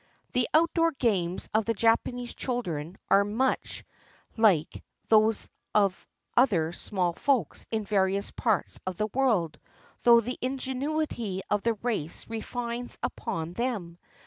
The outdoor games of the Japanese children are much 472 JAPANESE CHILDREN AND THEIR GAMES like those of other small folk in various parts of the world; though the ingenuity of the race refines upon them.